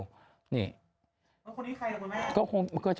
คนนี้มีใครครับคุณแม่